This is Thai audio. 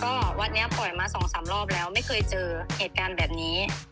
ก็วัดนี้ปล่อยมา๒๓รอบแล้วไม่เคยเจอเหตุการณ์แบบนี้